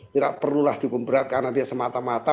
tidak perlulah diberat karena dia semata mata